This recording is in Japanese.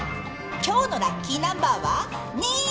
今日のラッキーナンバーは２！